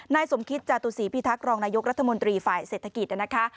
นายสมคิตจาตุศีพิทักษ์รองนายกรัฐมนตรีฝ่ายเศรษฐกิจนะคะ